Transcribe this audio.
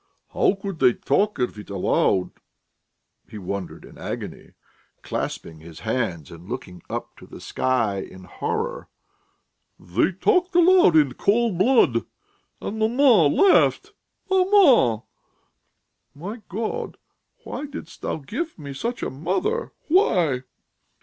"How could they talk of it aloud!" he wondered in agony, clasping his hands and looking up to the sky in horror. "They talk aloud in cold blood ... and maman laughed!... Maman! My God, why didst Thou give me such a mother? Why?"